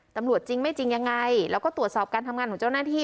จริงไม่จริงยังไงแล้วก็ตรวจสอบการทำงานของเจ้าหน้าที่